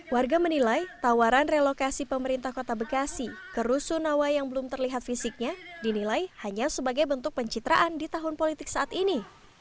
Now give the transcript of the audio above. warga menilai tawaran relokasi pemerintah kota bekasi ke rusunawa yang belum terlihat fisiknya dinilai hanya sebagai bentuk pencitraan di tahun politik saat ini